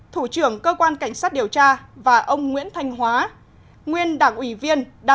thủ trưởng cơ quan cảnh sát điều tra và ông nguyễn thanh hóa nguyên đảng ủy viên